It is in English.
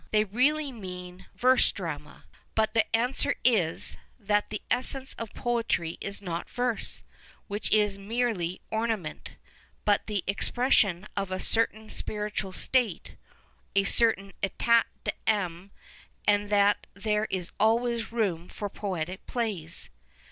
They really mean verse drama, but the answer is, that the essence of poetry is not verse, which is merely ornament, but the expression of a certain spiritual state, a certain eiat d'ame, and that there is always room for poetic plays.